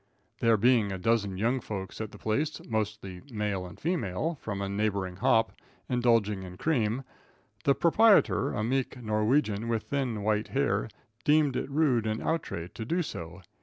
There being a dozen young folks at the place, mostly male and female, from a neighboring hop, indulging in cream, the proprietor, a meek Norwegian with thin white hair, deemed it rude and outre to do so.